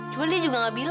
cuman dia juga gak bilang